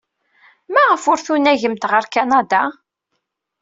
Maɣef ay tunagemt ɣer Kanada?